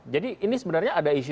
jadi ini sebenarnya ada isu